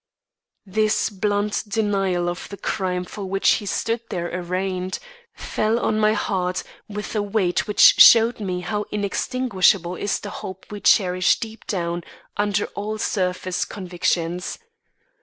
This blunt denial of the crime for which he stood there arraigned, fell on my heart with a weight which showed me how inextinguishable is the hope we cherish deep down under all surface convictions.